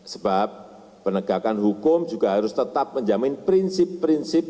sebab penegakan hukum juga harus tetap menjamin prinsip prinsip